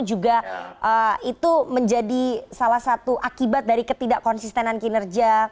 juga itu menjadi salah satu akibat dari ketidak konsistenan kinerja